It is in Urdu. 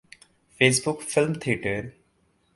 face book film theatre